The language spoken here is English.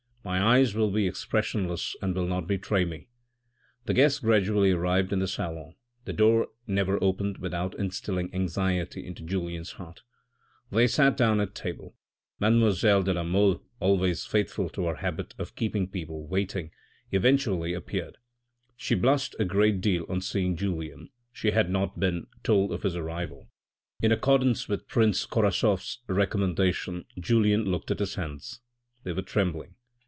My eyes will be expressionless and will not betray me ! The guests gradually arrived in the salon ; the door never opened without instilling anxiety into Julien's heart. They sat down at table. Mademoiselle de la Mole, always faithful to her habit of keeping people waiting, eventually 4i2 THE RED AND THE BLACK appeared. She blushed a great deal on seeing Julien, she had not been told of his arrival. In accordance with Prince Korasoff's recommendation, Julien looked at his hands. They were trembling.